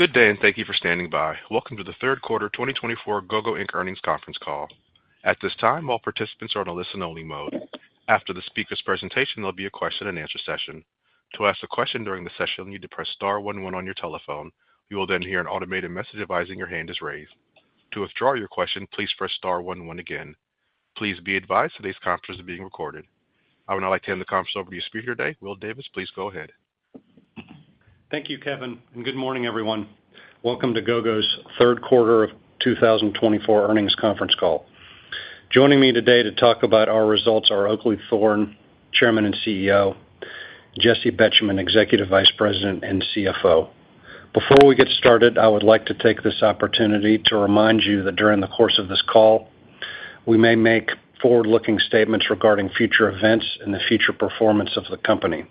Good day, and thank you for standing by. Welcome to the third quarter 2024 Gogo Inc. earnings conference call. At this time, all participants are in a listen-only mode. After the speaker's presentation, there'll be a question-and-answer session. To ask a question during the session, you need to press star one one on your telephone. You will then hear an automated message advising your hand is raised. To withdraw your question, please press star one one again. Please be advised today's conference is being recorded. I would now like to hand the conference over to your speaker today, Will Davis. Please go ahead. Thank you, Kevin, and good morning, everyone. Welcome to Gogo's third quarter of 2024 earnings conference call. Joining me today to talk about our results are Oakleigh Thorne, Chairman and CEO. Jessi Betjemann, Executive Vice President and CFO. Before we get started, I would like to take this opportunity to remind you that during the course of this call, we may make forward-looking statements regarding future events and the future performance of the company.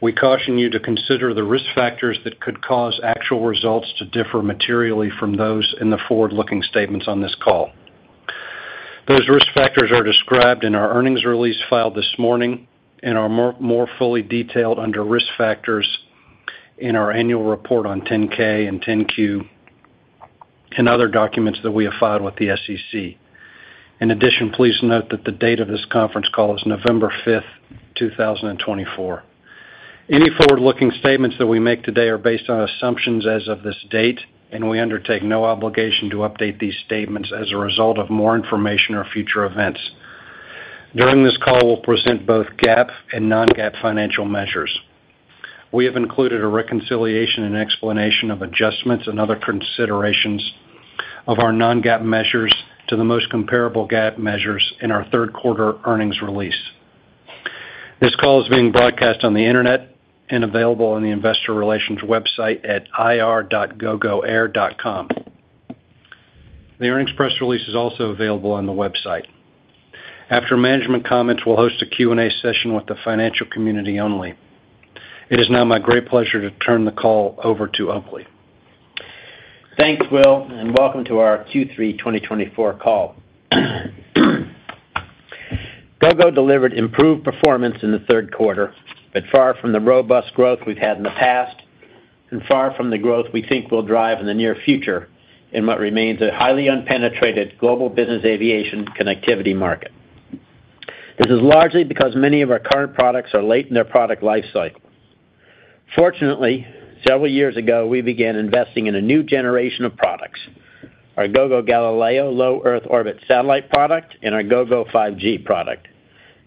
We caution you to consider the risk factors that could cause actual results to differ materially from those in the forward-looking statements on this call. Those risk factors are described in our earnings release filed this morning and are more fully detailed under risk factors in our annual report on 10-K and 10-Q and other documents that we have filed with the SEC. In addition, please note that the date of this conference call is November 5th, 2024. Any forward-looking statements that we make today are based on assumptions as of this date, and we undertake no obligation to update these statements as a result of more information or future events. During this call, we'll present both GAAP and non-GAAP financial measures. We have included a reconciliation and explanation of adjustments and other considerations of our non-GAAP measures to the most comparable GAAP measures in our third quarter earnings release. This call is being broadcast on the internet and available on the investor relations website at ir.gogoair.com. The earnings press release is also available on the website. After management comments, we'll host a Q&A session with the financial community only. It is now my great pleasure to turn the call over to Oakleigh. Thanks, Will, and welcome to our Q3 2024 call. Gogo delivered improved performance in the third quarter, but far from the robust growth we've had in the past and far from the growth we think will drive in the near future in what remains a highly unpenetrated global business aviation connectivity market. This is largely because many of our current products are late in their product life cycle. Fortunately, several years ago, we began investing in a new generation of products: our Gogo Galileo low Earth Orbit satellite product and our Gogo 5G product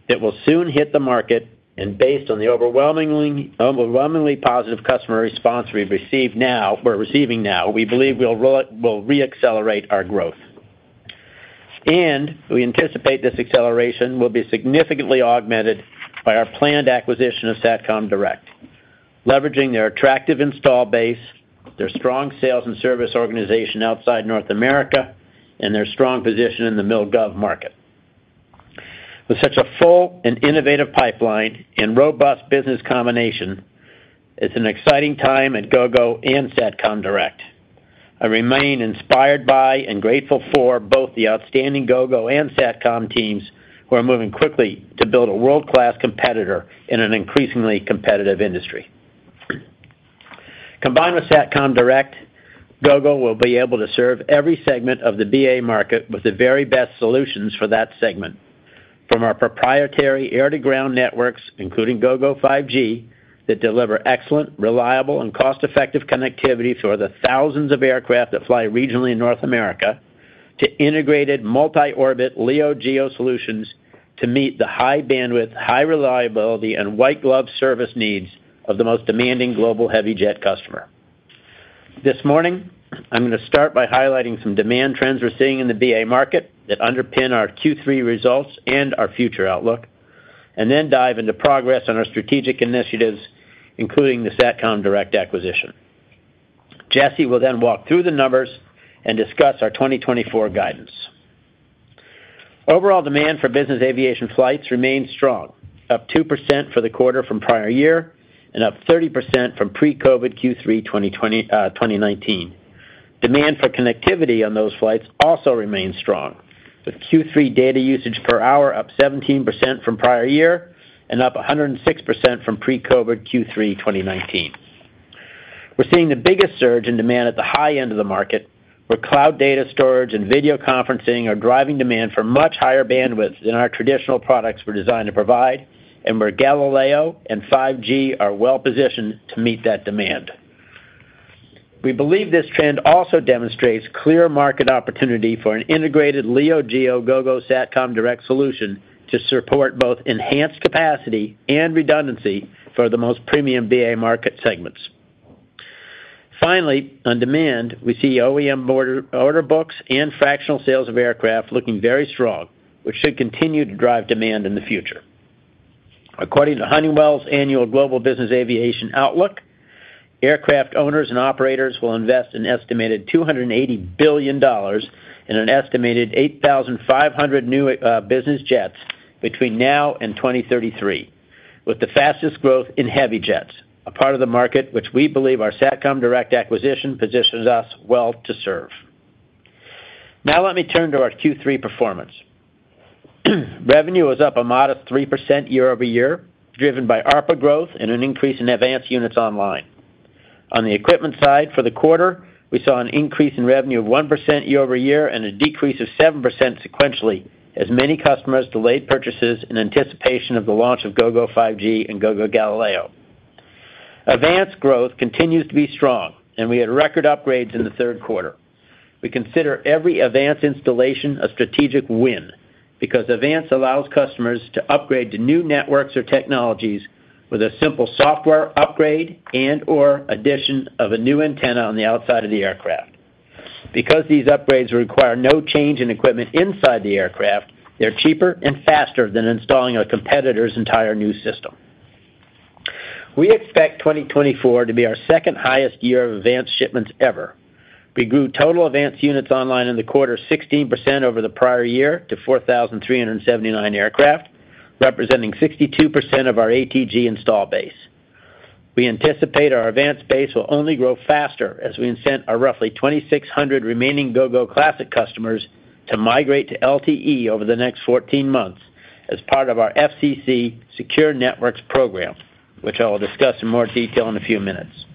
that will soon hit the market, and based on the overwhelmingly positive customer response we're receiving now, we believe we'll re-accelerate our growth. We anticipate this acceleration will be significantly augmented by our planned acquisition of Satcom Direct, leveraging their attractive install base, their strong sales and service organization outside North America, and their strong position in the Mil/Gov market. With such a full and innovative pipeline and robust business combination, it's an exciting time at Gogo and Satcom Direct. I remain inspired by and grateful for both the outstanding Gogo and Satcom teams, who are moving quickly to build a world-class competitor in an increasingly competitive industry. Combined with Satcom Direct, Gogo will be able to serve every segment of the BA market with the very best solutions for that segment, from our proprietary air-to-ground networks, including Gogo 5G, that deliver excellent, reliable, and cost-effective connectivity for the thousands of aircraft that fly regionally in North America, to integrated multi-orbit LEO Geo solutions to meet the high bandwidth, high reliability, and white-glove service needs of the most demanding global heavy jet customer. This morning, I'm going to start by highlighting some demand trends we're seeing in the BA market that underpin our Q3 results and our future outlook, and then dive into progress on our strategic initiatives, including the Satcom Direct acquisition. Jessi will then walk through the numbers and discuss our 2024 guidance. Overall demand for business aviation flights remains strong, up 2% for the quarter from prior year and up 30% from pre-COVID Q3 2019. Demand for connectivity on those flights also remains strong, with Q3 data usage per hour up 17% from prior year and up 106% from pre-COVID Q3 2019. We're seeing the biggest surge in demand at the high end of the market, where cloud data storage and video conferencing are driving demand for much higher bandwidth than our traditional products were designed to provide, and where Galileo and 5G are well-positioned to meet that demand. We believe this trend also demonstrates clear market opportunity for an integrated LEO GEO Gogo Satcom Direct solution to support both enhanced capacity and redundancy for the most premium BA market segments. Finally, on demand, we see OEM order books and fractional sales of aircraft looking very strong, which should continue to drive demand in the future. According to Honeywell's annual global business aviation outlook, aircraft owners and operators will invest an estimated $280 billion and an estimated 8,500 new business jets between now and 2033, with the fastest growth in heavy jets, a part of the market which we believe our Satcom Direct acquisition positions us well to serve. Now let me turn to our Q3 performance. Revenue was up a modest 3% year over year, driven by ARPU growth and an increase in advanced units online. On the equipment side, for the quarter, we saw an increase in revenue of 1% year over year and a decrease of 7% sequentially as many customers delayed purchases in anticipation of the launch of Gogo 5G and Gogo Galileo. AVANCE growth continues to be strong, and we had record upgrades in the third quarter. We consider every Advanced installation a strategic win because Advanced allows customers to upgrade to new networks or technologies with a simple software upgrade and/or addition of a new antenna on the outside of the aircraft. Because these upgrades require no change in equipment inside the aircraft, they're cheaper and faster than installing a competitor's entire new system. We expect 2024 to be our second highest year of Advanced shipments ever. We grew total Advanced units online in the quarter 16% over the prior year to 4,379 aircraft, representing 62% of our ATG install base. We anticipate our Advanced base will only grow faster as we incent our roughly 2,600 remaining Gogo Classic customers to migrate to LTE over the next 14 months as part of our FCC Secure Networks program, which I'll discuss in more detail in a few minutes.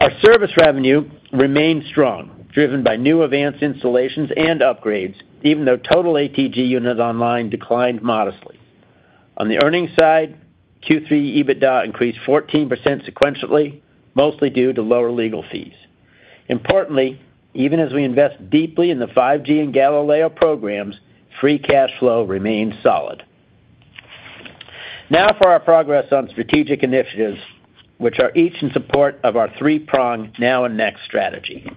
Our service revenue remained strong, driven by new advanced installations and upgrades, even though total ATG units online declined modestly. On the earnings side, Q3 EBITDA increased 14% sequentially, mostly due to lower legal fees. Importantly, even as we invest deeply in the 5G and Galileo programs, free cash flow remained solid. Now for our progress on strategic initiatives, which are each in support of our three-prong now and next strategy.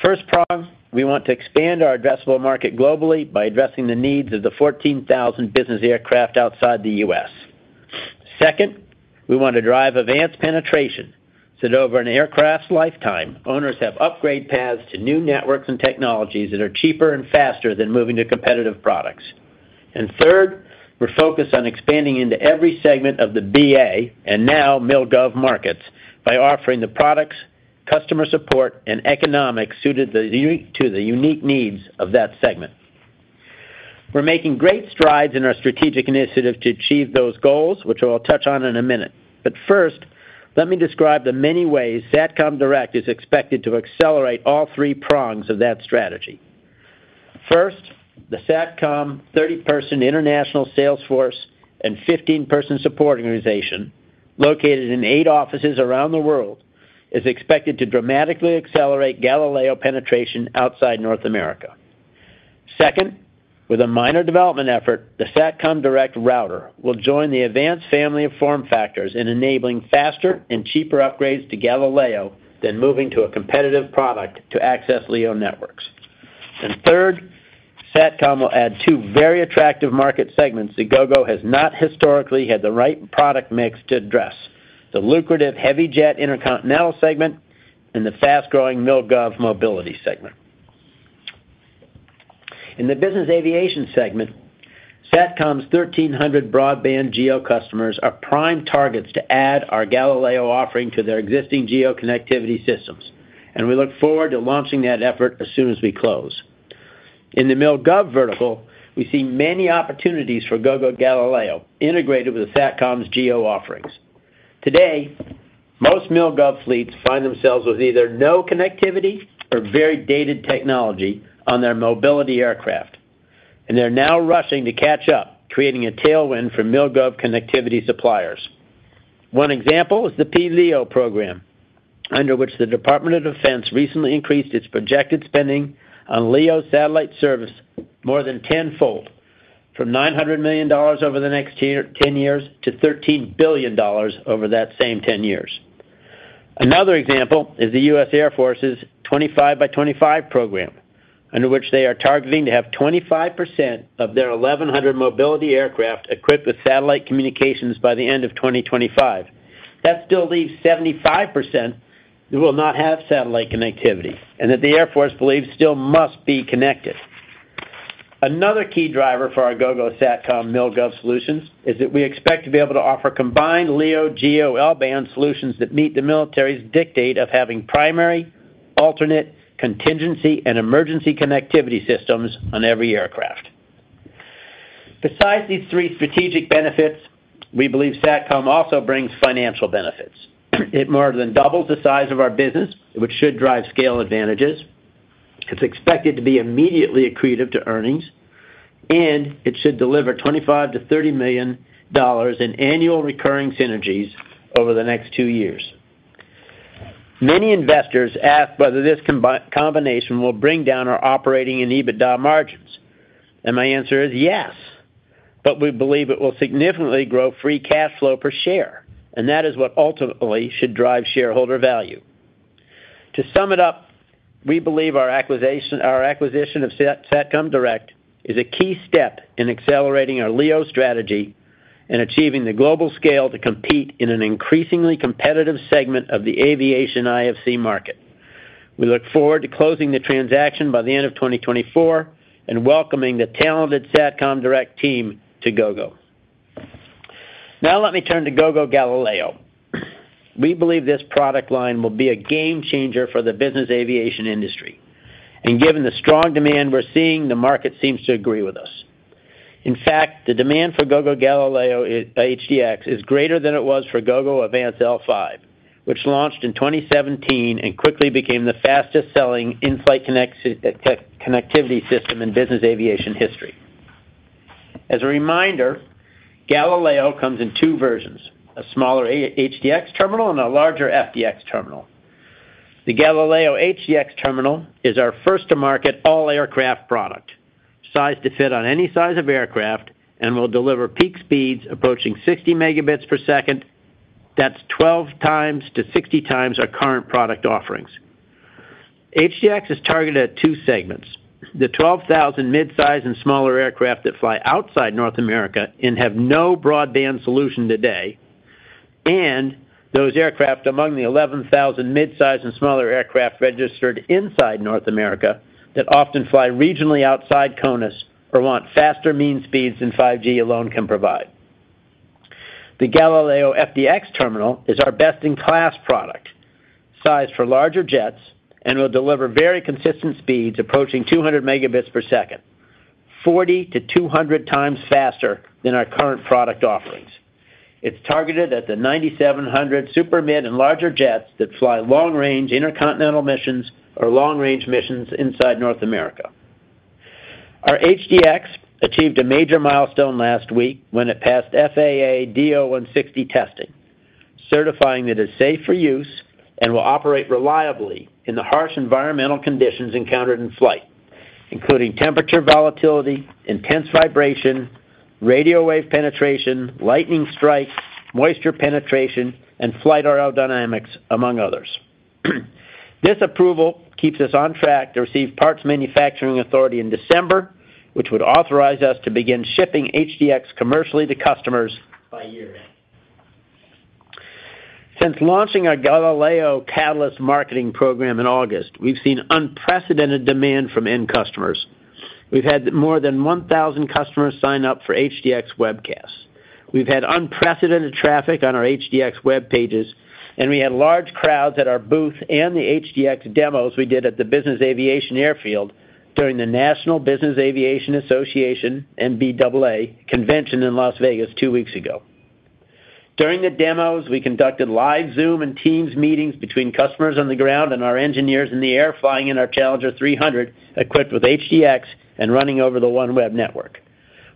First prong, we want to expand our addressable market globally by addressing the needs of the 14,000 business aircraft outside the U.S. Second, we want to drive advanced penetration so that over an aircraft's lifetime, owners have upgrade paths to new networks and technologies that are cheaper and faster than moving to competitive products. Third, we're focused on expanding into every segment of the BA and now Mil/Gov markets by offering the products, customer support, and economics suited to the unique needs of that segment. We're making great strides in our strategic initiative to achieve those goals, which I'll touch on in a minute. But first, let me describe the many ways Satcom Direct is expected to accelerate all three prongs of that strategy. First, the Satcom's 30-person international sales force and 15-person support organization located in eight offices around the world is expected to dramatically accelerate Galileo penetration outside North America. Second, with a minor development effort, the Satcom Direct router will join the AVANCE family of form factors in enabling faster and cheaper upgrades to Galileo than moving to a competitive product to access LEO networks. And third, Satcom will add two very attractive market segments that Gogo has not historically had the right product mix to address: the lucrative heavy jet intercontinental segment and the fast-growing Mil/Gov mobility segment. In the business aviation segment, Satcom's 1,300 broadband geo customers are prime targets to add our Galileo offering to their existing geo connectivity systems, and we look forward to launching that effort as soon as we close. In the Mil/Gov vertical, we see many opportunities for Gogo Galileo integrated with Satcom's geo offerings. Today, most Mil/Gov fleets find themselves with either no connectivity or very dated technology on their mobility aircraft, and they're now rushing to catch up, creating a tailwind for Mil/Gov connectivity suppliers. One example is the pLEO program, under which the Department of Defense recently increased its projected spending on LEO satellite service more than tenfold, from $900 million over the next 10 years to $13 billion over that same 10 years. Another example is the U.S. Air Force's 25x25 program, under which they are targeting to have 25% of their 1,100 mobility aircraft equipped with satellite communications by the end of 2025. That still leaves 75% that will not have satellite connectivity and that the Air Force believes still must be connected. Another key driver for our Gogo Satcom Mil/Gov solutions is that we expect to be able to offer combined LEO GEO L-band solutions that meet the military's dictate of having primary, alternate, contingency, and emergency connectivity systems on every aircraft. Besides these three strategic benefits, we believe Satcom also brings financial benefits. It more than doubles the size of our business, which should drive scale advantages. It's expected to be immediately accretive to earnings, and it should deliver $25-$30 million in annual recurring synergies over the next two years. Many investors ask whether this combination will bring down our operating and EBITDA margins, and my answer is yes, but we believe it will significantly grow free cash flow per share, and that is what ultimately should drive shareholder value. To sum it up, we believe our acquisition of Satcom Direct is a key step in accelerating our LEO strategy and achieving the global scale to compete in an increasingly competitive segment of the aviation IFC market. We look forward to closing the transaction by the end of 2024 and welcoming the talented Satcom Direct team to Gogo. Now let me turn to Gogo Galileo. We believe this product line will be a game changer for the business aviation industry, and given the strong demand we're seeing, the market seems to agree with us. In fact, the demand for Gogo Galileo HDX is greater than it was for Gogo AVANCE L5, which launched in 2017 and quickly became the fastest selling in-flight connectivity system in business aviation history. As a reminder, Galileo comes in two versions: a smaller HDX terminal and a larger FDX terminal. The Galileo HDX terminal is our first-to-market all-aircraft product, sized to fit on any size of aircraft and will deliver peak speeds approaching 60 mbps. That's 12 times to 60 times our current product offerings. HDX is targeted at two segments: the 12,000 midsize and smaller aircraft that fly outside North America and have no broadband solution today, and those aircraft among the 11,000 midsize and smaller aircraft registered inside North America that often fly regionally outside CONUS or want faster mean speeds than 5G alone can provide. The Galileo FDX terminal is our best-in-class product, sized for larger jets and will deliver very consistent speeds approaching 200 mbps, 40 to 200 times faster than our current product offerings. It's targeted at the 9,700 super mid and larger jets that fly long-range intercontinental missions or long-range missions inside North America. Our HDX achieved a major milestone last week when it passed FAA DO-160 testing, certifying that it is safe for use and will operate reliably in the harsh environmental conditions encountered in flight, including temperature volatility, intense vibration, radio wave penetration, lightning strikes, moisture penetration, and flight aerodynamics, among others. This approval keeps us on track to receive Parts Manufacturer Approval in December, which would authorize us to begin shipping HDX commercially to customers by year. Since launching our Galileo Catalyst marketing program in August, we've seen unprecedented demand from end customers. We've had more than 1,000 customers sign up for HDX webcasts. We've had unprecedented traffic on our HDX web pages, and we had large crowds at our booth and the HDX demos we did at the Business Aviation Airfield during the National Business Aviation Association and BACE convention in Las Vegas two weeks ago. During the demos, we conducted live Zoom and Teams meetings between customers on the ground and our engineers in the air flying in our Challenger 300 equipped with HDX and running over the OneWeb network.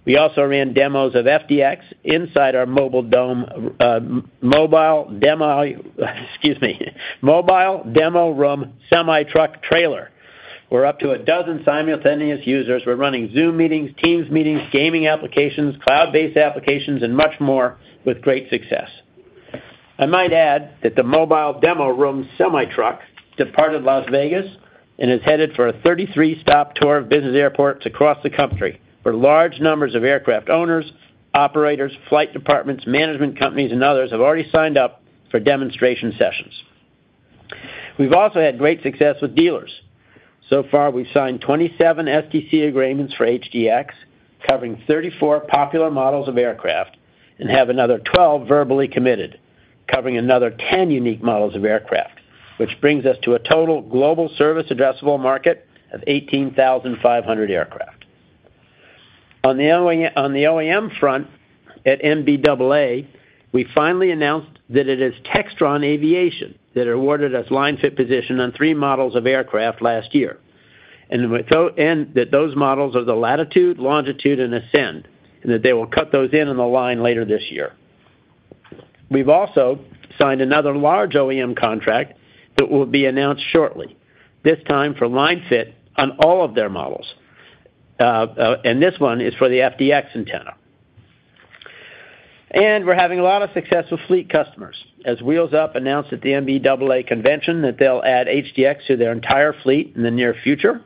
We also ran demos of FDX inside our mobile demo room semi-truck trailer, where up to a dozen simultaneous users were running Zoom meetings, Teams meetings, gaming applications, cloud-based applications, and much more with great success. I might add that the mobile demo room semi-truck departed Las Vegas and is headed for a 33-stop tour of business airports across the country, where large numbers of aircraft owners, operators, flight departments, management companies, and others have already signed up for demonstration sessions. We've also had great success with dealers. So far, we've signed 27 STC agreements for HDX, covering 34 popular models of aircraft, and have another 12 verbally committed, covering another 10 unique models of aircraft, which brings us to a total global service addressable market of 18,500 aircraft. On the OEM front at NBAA, we finally announced that it is Textron Aviation that awarded us line fit position on three models of aircraft last year, and that those models are the Latitude, Longitude, and Ascend, and that they will cut those in on the line later this year. We've also signed another large OEM contract that will be announced shortly, this time for line fit on all of their models, and this one is for the FDX antenna. We're having a lot of success with fleet customers, as Wheels Up announced at the NBAA convention that they'll add HDX to their entire fleet in the near future,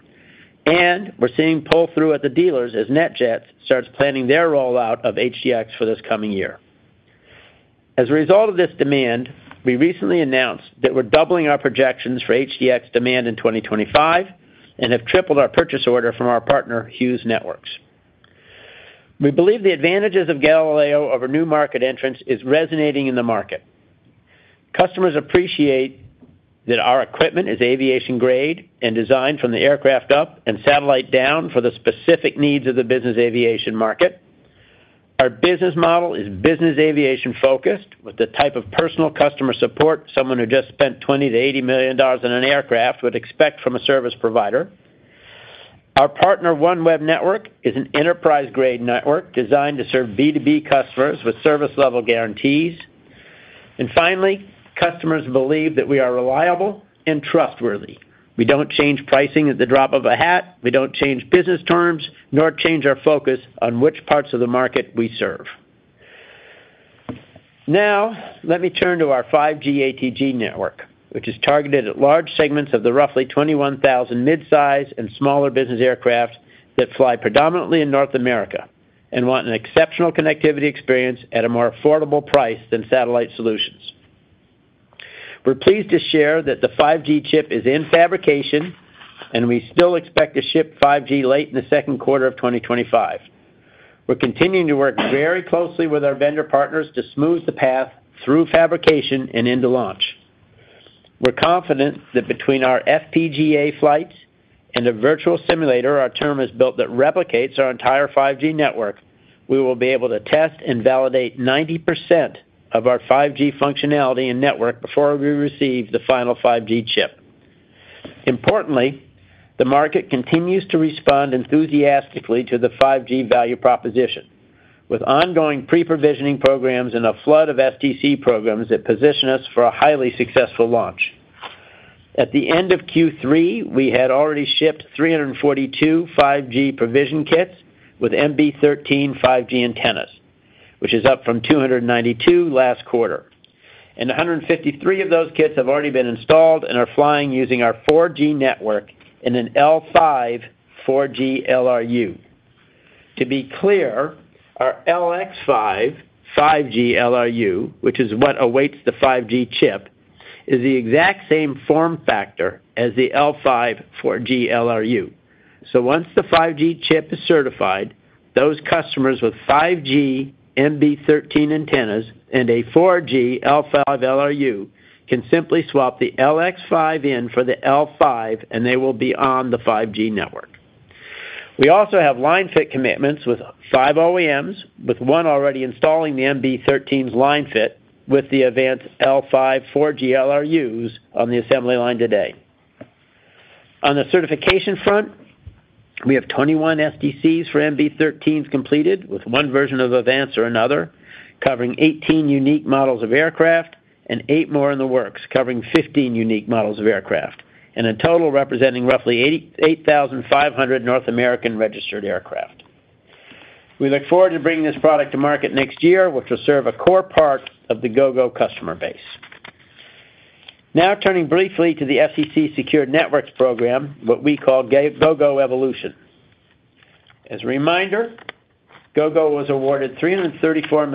and we're seeing pull-through at the dealers as NetJets starts planning their rollout of HDX for this coming year. As a result of this demand, we recently announced that we're doubling our projections for HDX demand in 2025 and have tripled our purchase order from our partner, Hughes Network. We believe the advantages of Galileo over new market entrants are resonating in the market. Customers appreciate that our equipment is aviation-grade and designed from the aircraft up and satellite down for the specific needs of the business aviation market. Our business model is business aviation-focused, with the type of personal customer support someone who just spent $20-$80 million on an aircraft would expect from a service provider. Our partner, OneWeb Network, is an enterprise-grade network designed to serve B2B customers with service-level guarantees. And finally, customers believe that we are reliable and trustworthy. We don't change pricing at the drop of a hat. We don't change business terms, nor change our focus on which parts of the market we serve. Now, let me turn to our 5G ATG network, which is targeted at large segments of the roughly 21,000 midsize and smaller business aircraft that fly predominantly in North America and want an exceptional connectivity experience at a more affordable price than satellite solutions. We're pleased to share that the 5G chip is in fabrication, and we still expect to ship 5G late in the second quarter of 2025. We're continuing to work very closely with our vendor partners to smooth the path through fabrication and into launch. We're confident that between our FPGA flights and a virtual simulator, our sim is built that replicates our entire 5G network, we will be able to test and validate 90% of our 5G functionality and network before we receive the final 5G chip. Importantly, the market continues to respond enthusiastically to the 5G value proposition, with ongoing pre-provisioning programs and a flood of STC programs that position us for a highly successful launch. At the end of Q3, we had already shipped 342 5G provision kits with MB13 5G antennas, which is up from 292 last quarter, and 153 of those kits have already been installed and are flying using our 4G network in an L5 4G LRU. To be clear, our LX5 5G LRU, which is what awaits the 5G chip, is the exact same form factor as the L5 4G LRU. So once the 5G chip is certified, those customers with 5G MB13 antennas and a 4G L5 LRU can simply swap the LX5 in for the L5, and they will be on the 5G network. We also have line fit commitments with five OEMs, with one already installing the MB13s line fit with the Advanced L5 4G LRUs on the assembly line today. On the certification front, we have 21 STCs for MB13s completed with one version of Advanced or another, covering 18 unique models of aircraft and eight more in the works, covering 15 unique models of aircraft, and a total representing roughly 8,500 North American registered aircraft. We look forward to bringing this product to market next year, which will serve a core part of the Gogo customer base. Now turning briefly to the FCC Secure Networks program, what we call Gogo Evolution. As a reminder, Gogo was awarded a $334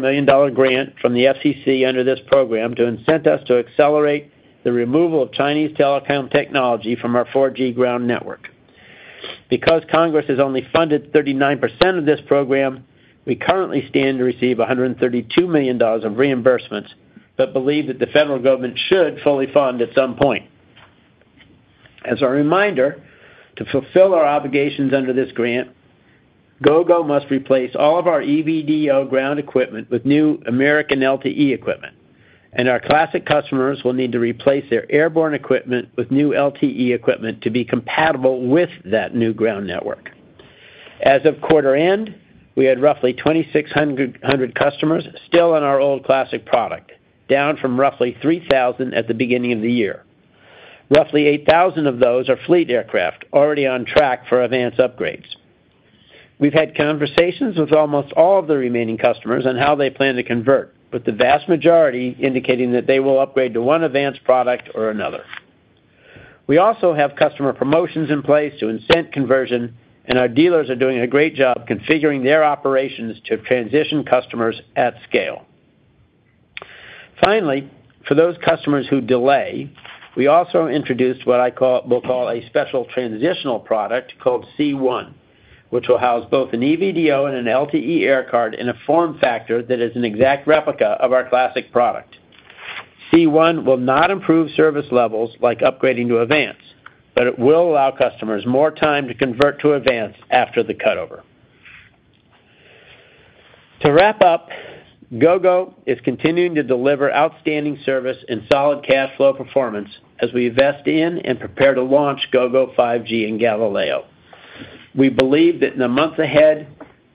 million grant from the FCC under this program to incent us to accelerate the removal of Chinese telecom technology from our 4G ground network. Because Congress has only funded 39% of this program, we currently stand to receive $132 million of reimbursements but believe that the federal government should fully fund at some point. As a reminder, to fulfill our obligations under this grant, Gogo must replace all of our EVDO ground equipment with new American LTE equipment, and our Classic customers will need to replace their airborne equipment with new LTE equipment to be compatible with that new ground network. As of quarter end, we had roughly 2,600 customers still on our old Classic product, down from roughly 3,000 at the beginning of the year. Roughly 8,000 of those are fleet aircraft already on track for advanced upgrades. We've had conversations with almost all of the remaining customers on how they plan to convert, with the vast majority indicating that they will upgrade to one Advanced product or another. We also have customer promotions in place to incent conversion, and our dealers are doing a great job configuring their operations to transition customers at scale. Finally, for those customers who delay, we also introduced what I will call a special transitional product called C1, which will house both an EVDO and an LTE aircard in a form factor that is an exact replica of our Classic product. C1 will not improve service levels like upgrading to Advanced, but it will allow customers more time to convert to Advanced after the cutover. To wrap up, Gogo is continuing to deliver outstanding service and solid cash flow performance as we invest in and prepare to launch Gogo 5G and Galileo. We believe that in the months ahead,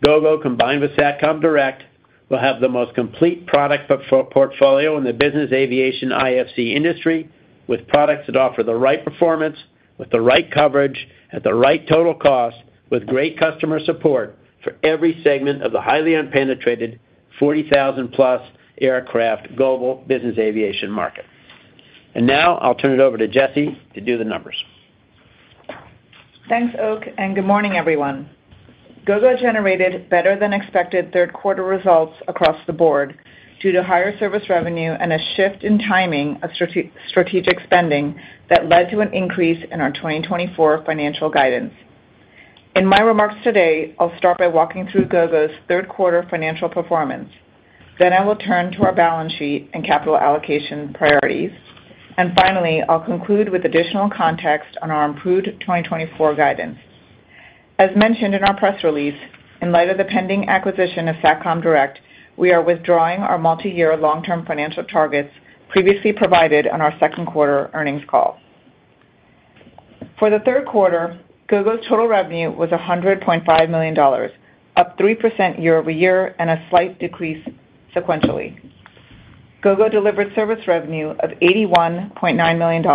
Gogo combined with Satcom Direct will have the most complete product portfolio in the business aviation IFC industry, with products that offer the right performance, with the right coverage, at the right total cost, with great customer support for every segment of the highly unpenetrated 40,000-plus aircraft global business aviation market. And now I'll turn it over to Jessi to do the numbers. Thanks, Oak, and good morning, everyone. Gogo generated better-than-expected third-quarter results across the board due to higher service revenue and a shift in timing of strategic spending that led to an increase in our 2024 financial guidance. In my remarks today, I'll start by walking through Gogo's third-quarter financial performance. Then I will turn to our balance sheet and capital allocation priorities. And finally, I'll conclude with additional context on our improved 2024 guidance. As mentioned in our press release, in light of the pending acquisition of Satcom Direct, we are withdrawing our multi-year long-term financial targets previously provided on our second quarter earnings call. For the third quarter, Gogo's total revenue was $100.5 million, up 3% year-over-year and a slight decrease sequentially. Gogo delivered service revenue of $81.9 million,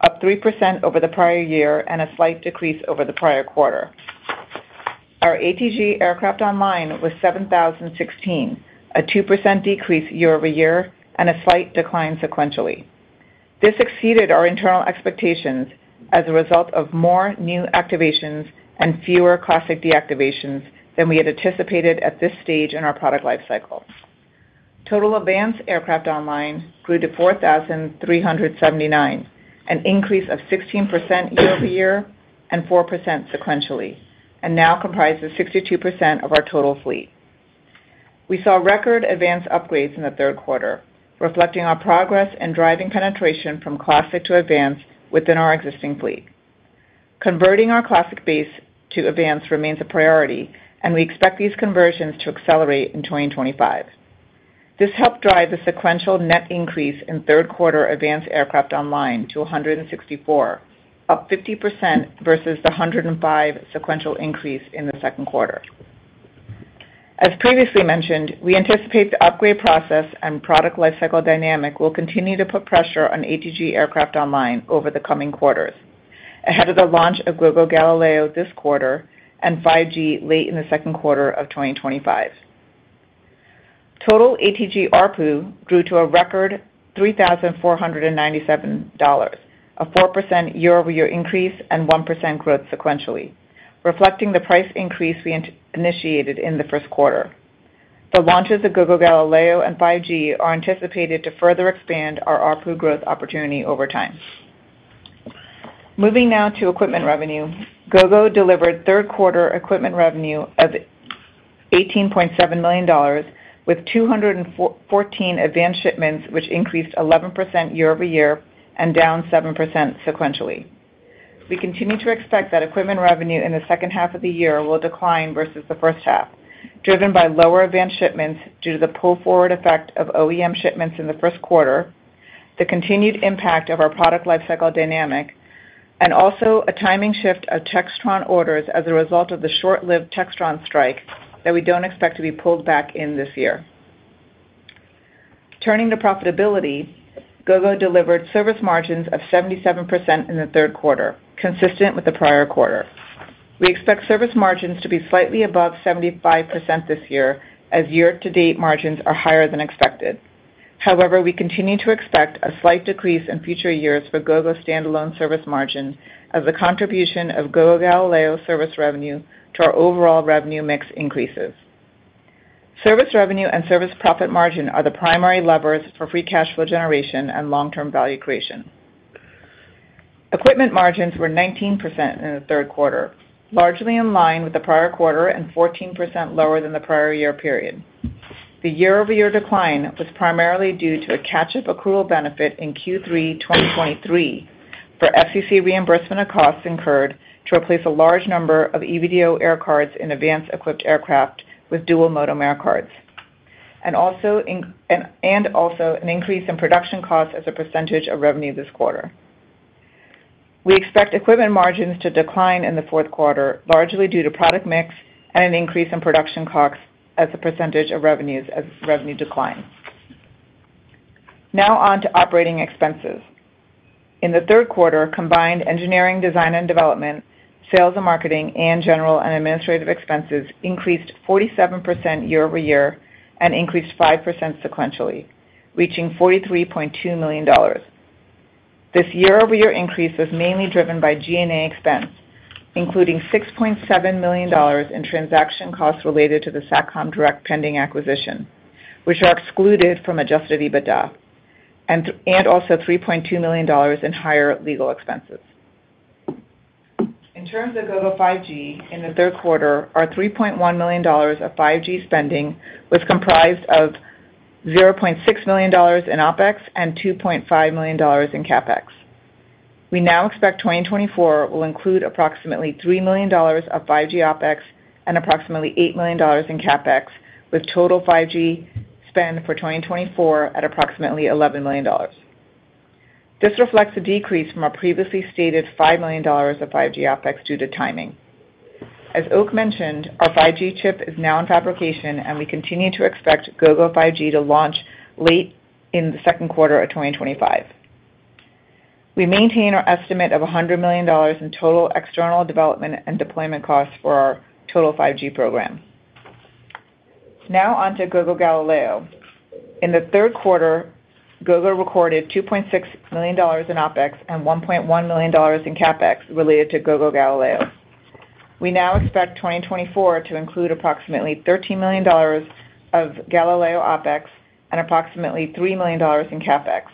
up 3% over the prior year and a slight decrease over the prior quarter. Our ATG aircraft online was 7,016, a 2% decrease year-over-year and a slight decline sequentially. This exceeded our internal expectations as a result of more new activations and fewer classic deactivations than we had anticipated at this stage in our product lifecycle. Total advanced aircraft online grew to 4,379, an increase of 16% year-over-year and 4% sequentially, and now comprises 62% of our total fleet. We saw record Advanced upgrades in the third quarter, reflecting our progress and driving penetration from Classic to Advanced within our existing fleet. Converting our Classic base to Advanced remains a priority, and we expect these conversions to accelerate in 2025. This helped drive the sequential net increase in third-quarter Advanced aircraft online to 164, up 50% versus the 105 sequential increase in the second quarter. As previously mentioned, we anticipate the upgrade process and product lifecycle dynamic will continue to put pressure on ATG aircraft online over the coming quarters, ahead of the launch of Gogo Galileo this quarter and 5G late in the second quarter of 2025. Total ATG ARPU grew to a record $3,497, a 4% year-over-year increase and 1% growth sequentially, reflecting the price increase we initiated in the first quarter. The launches of Gogo Galileo and 5G are anticipated to further expand our ARPU growth opportunity over time. Moving now to equipment revenue, Gogo delivered third-quarter equipment revenue of $18.7 million with 214 advanced shipments, which increased 11% year-over-year and down 7% sequentially. We continue to expect that equipment revenue in the second half of the year will decline versus the first half, driven by lower advanced shipments due to the pull-forward effect of OEM shipments in the first quarter, the continued impact of our product lifecycle dynamic, and also a timing shift of Textron orders as a result of the short-lived Textron strike that we don't expect to be pulled back in this year. Turning to profitability, Gogo delivered service margins of 77% in the third quarter, consistent with the prior quarter. We expect service margins to be slightly above 75% this year, as year-to-date margins are higher than expected. However, we continue to expect a slight decrease in future years for Gogo's standalone service margin as the contribution of Gogo Galileo service revenue to our overall revenue mix increases. Service revenue and service profit margin are the primary levers for free cash flow generation and long-term value creation. Equipment margins were 19% in the third quarter, largely in line with the prior quarter and 14% lower than the prior year period. The year-over-year decline was primarily due to a catch-up accrual benefit in Q3 2023 for FCC reimbursement of costs incurred to replace a large number of EVDO aircards in AVANCE-equipped aircraft with dual-mode aircards, and also an increase in production costs as a percentage of revenue this quarter. We expect equipment margins to decline in the fourth quarter, largely due to product mix and an increase in production costs as a percentage of revenues as revenue declines. Now on to operating expenses. In the third quarter, combined engineering, design and development, sales and marketing, and general and administrative expenses increased 47% year-over-year and increased 5% sequentially, reaching $43.2 million. This year-over-year increase was mainly driven by G&A expense, including $6.7 million in transaction costs related to the Satcom Direct pending acquisition, which are excluded from Adjusted EBITDA, and also $3.2 million in higher legal expenses. In terms of Gogo 5G, in the third quarter, our $3.1 million of 5G spending was comprised of $0.6 million in OpEx and $2.5 million in CapEx. We now expect 2024 will include approximately $3 million of 5G OpEx and approximately $8 million in CapEx, with total 5G spend for 2024 at approximately $11 million. This reflects a decrease from our previously stated $5 million of 5G OpEx due to timing. As Oak mentioned, our 5G chip is now in fabrication, and we continue to expect Gogo 5G to launch late in the second quarter of 2025. We maintain our estimate of $100 million in total external development and deployment costs for our total 5G program. Now on to Gogo Galileo. In the third quarter, Gogo recorded $2.6 million in OpEx and $1.1 million in CapEx related to Gogo Galileo. We now expect 2024 to include approximately $13 million of Galileo OpEx and approximately $3 million in CapEx,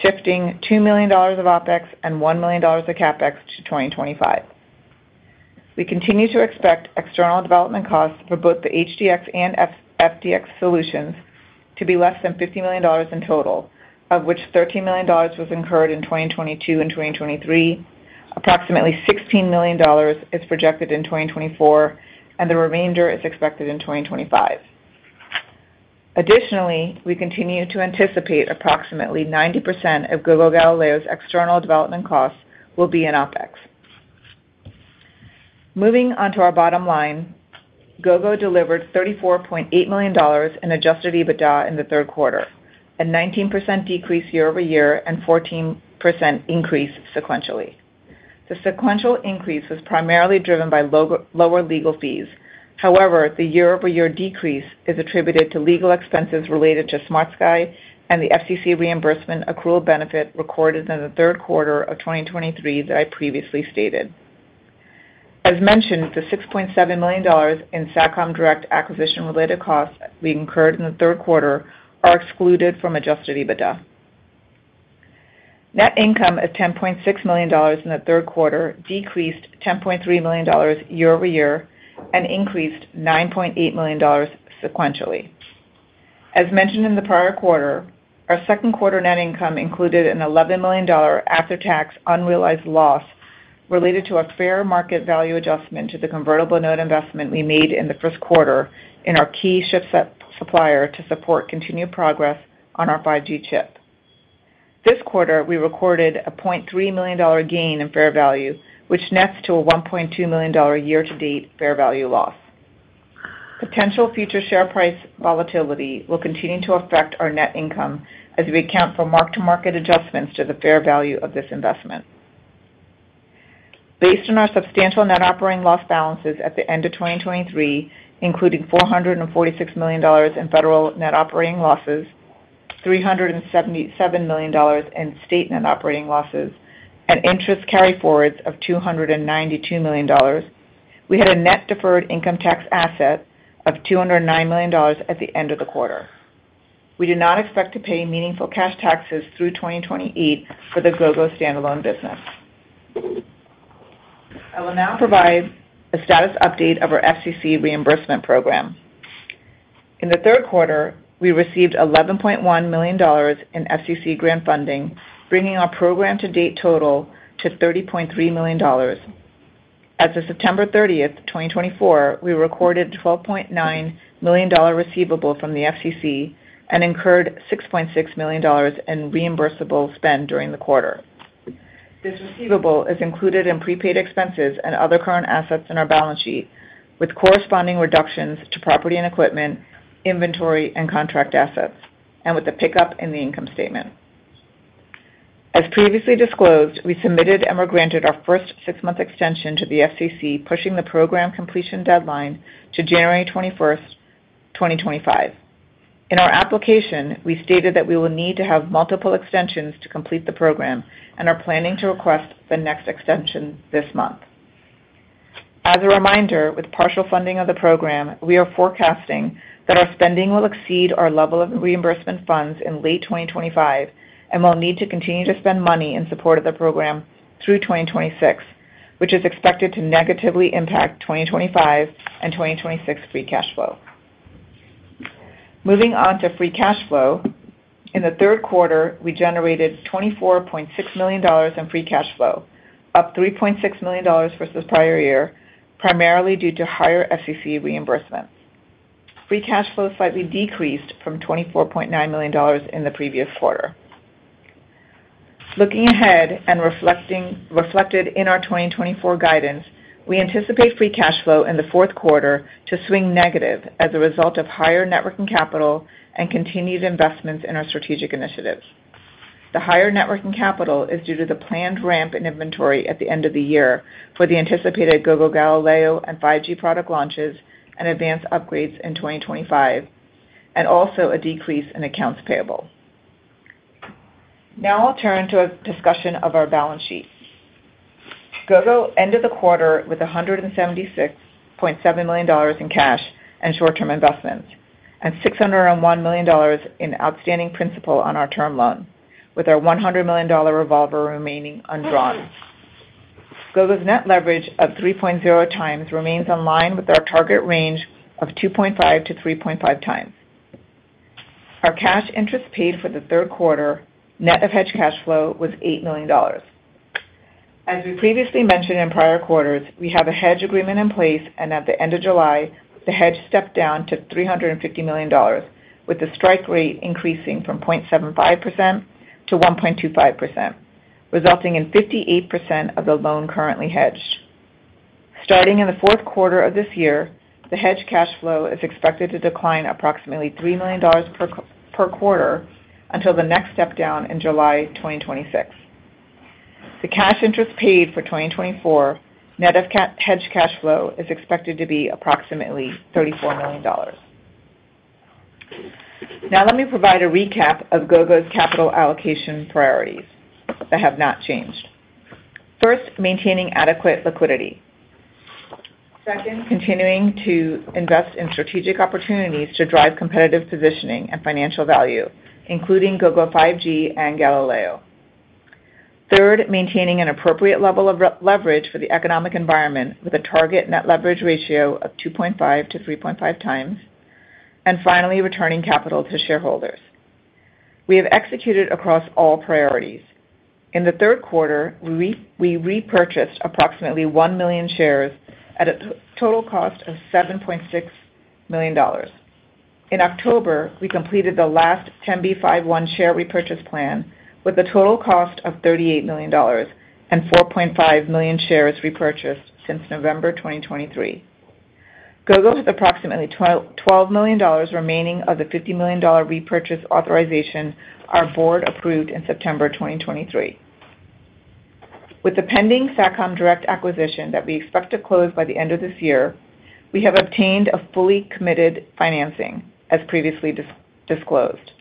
shifting $2 million of OpEx and $1 million of CapEx to 2025. We continue to expect external development costs for both the HDX and FDX solutions to be less than $50 million in total, of which $13 million was incurred in 2022 and 2023, approximately $16 million is projected in 2024, and the remainder is expected in 2025. Additionally, we continue to anticipate approximately 90% of Gogo Galileo's external development costs will be in OpEx. Moving on to our bottom line, Gogo delivered $34.8 million in adjusted EBITDA in the third quarter, a 19% decrease year-over-year and 14% increase sequentially. The sequential increase was primarily driven by lower legal fees. However, the year-over-year decrease is attributed to legal expenses related to SmartSky and the FCC reimbursement accrual benefit recorded in the third quarter of 2023 that I previously stated. As mentioned, the $6.7 million in Satcom Direct acquisition-related costs we incurred in the third quarter are excluded from adjusted EBITDA. Net income of $10.6 million in the third quarter decreased $10.3 million year-over-year and increased $9.8 million sequentially. As mentioned in the prior quarter, our second quarter net income included an $11 million after-tax unrealized loss related to a fair market value adjustment to the convertible note investment we made in the first quarter in our key chip supplier to support continued progress on our 5G chip. This quarter, we recorded a $0.3 million gain in fair value, which nets to a $1.2 million year-to-date fair value loss. Potential future share price volatility will continue to affect our net income as we account for mark-to-market adjustments to the fair value of this investment. Based on our substantial net operating loss balances at the end of 2023, including $446 million in federal net operating losses, $377 million in state net operating losses, and interest carry forwards of $292 million, we had a net deferred income tax asset of $209 million at the end of the quarter. We do not expect to pay meaningful cash taxes through 2028 for the Gogo standalone business. I will now provide a status update of our FCC reimbursement program. In the third quarter, we received $11.1 million in FCC grant funding, bringing our program-to-date total to $30.3 million. As of September 30, 2024, we recorded a $12.9 million receivable from the FCC and incurred $6.6 million in reimbursable spend during the quarter. This receivable is included in prepaid expenses and other current assets in our balance sheet, with corresponding reductions to property and equipment, inventory, and contract assets, and with a pickup in the income statement. As previously disclosed, we submitted and were granted our first six-month extension to the FCC, pushing the program completion deadline to January 21st, 2025. In our application, we stated that we will need to have multiple extensions to complete the program and are planning to request the next extension this month. As a reminder, with partial funding of the program, we are forecasting that our spending will exceed our level of reimbursement funds in late 2025 and will need to continue to spend money in support of the program through 2026, which is expected to negatively impact 2025 and 2026 free cash flow. Moving on to free cash flow, in the third quarter, we generated $24.6 million in free cash flow, up $3.6 million versus the prior year, primarily due to higher FCC reimbursements. Free cash flow slightly decreased from $24.9 million in the previous quarter. Looking ahead and reflected in our 2024 guidance, we anticipate free cash flow in the fourth quarter to swing negative as a result of higher working capital and continued investments in our strategic initiatives. The higher working capital is due to the planned ramp in inventory at the end of the year for the anticipated Gogo Galileo and 5G product launches and AVANCE upgrades in 2025, and also a decrease in accounts payable. Now I'll turn to a discussion of our balance sheet. Gogo ended the quarter with $176.7 million in cash and short-term investments, and $601 million in outstanding principal on our term loan, with our $100 million revolver remaining undrawn. Gogo's net leverage of 3.0 times remains in line with our target range of 2.5 to 3.5 times. Our cash interest paid for the third quarter net of hedge cash flow was $8 million. As we previously mentioned in prior quarters, we have a hedge agreement in place, and at the end of July, the hedge stepped down to $350 million, with the strike rate increasing from 0.75% to 1.25%, resulting in 58% of the loan currently hedged. Starting in the fourth quarter of this year, the hedge cash flow is expected to decline approximately $3 million per quarter until the next step down in July 2026. The cash interest paid for 2024 net of hedge cash flow is expected to be approximately $34 million. Now let me provide a recap of Gogo's capital allocation priorities that have not changed. First, maintaining adequate liquidity. Second, continuing to invest in strategic opportunities to drive competitive positioning and financial value, including Gogo 5G and Galileo. Third, maintaining an appropriate level of leverage for the economic environment with a target net leverage ratio of 2.5-3.5 times, and finally, returning capital to shareholders. We have executed across all priorities. In the third quarter, we repurchased approximately one million shares at a total cost of $7.6 million. In October, we completed the last 10b5-1 share repurchase plan with a total cost of $38 million and 4.5 million shares repurchased since November 2023. Gogo has approximately $12 million remaining of the $50 million repurchase authorization our board approved in September 2023. With the pending Satcom Direct acquisition that we expect to close by the end of this year, we have obtained a fully committed financing, as previously disclosed.